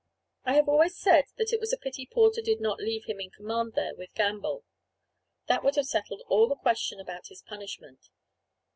I have always thought it was a pity Porter did not leave him in command there with Gamble. That would have settled all the question about his punishment.